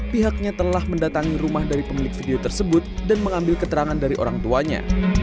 pihaknya telah mendatangi rumah dari pemilik video tersebut dan mengambil keterangan dari orang tuanya